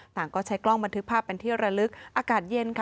ก็ใช้กล้องบันทึกภาพเป็นที่ระลึกอากาศเย็นค่ะ